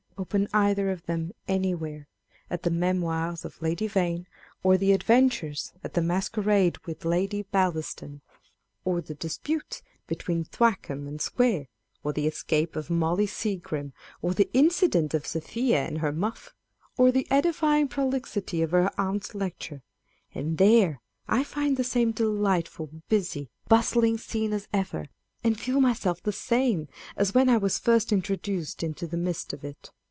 Open either of them anywhere â€" at the Memoirs of Lady Vane, or the adventures at the mas On Reading Old Books. 311 querade with Lady Bellaston, or the disputes between Thwackum and Square, or the escape of Molly Seagrim, or the incident of Sophia and her muff, or the edifying prolixity of her aunt's lecture â€" and there I find the same â€¢delightful, busy, bustling scene as ever, and feel myself the same as when I was first introduced into the midst of it.